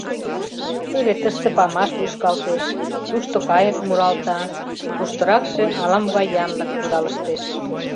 Теве тыште памаш лӱшкалтеш, тушто кайык муралта, туштыракше ала-могай янлык кудалыштеш.